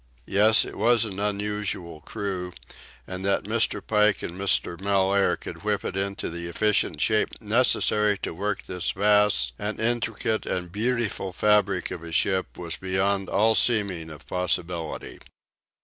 Yes, it was an unusual crew; and that Mr. Pike and Mr. Mellaire could whip it into the efficient shape necessary to work this vast and intricate and beautiful fabric of a ship was beyond all seeming of possibility.